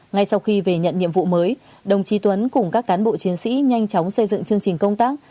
ngay sau khi về nhận nhiệm vụ mới đồng chí tuấn cùng các cán bộ chiến sĩ nhanh chóng xây dựng chương trình công tác